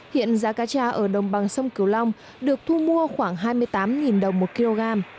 hiện giá cá cha ở đồng bằng sông cửu long được thu mua khoảng hai mươi tám đồng một kg